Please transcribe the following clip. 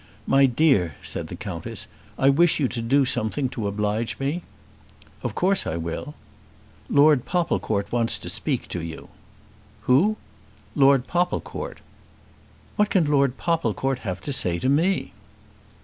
"My dear," said the Countess, "I wish you to do something to oblige me." "Of course I will." "Lord Popplecourt wants to speak to you." "Who?" "Lord Popplecourt." "What can Lord Popplecourt have to say to me?"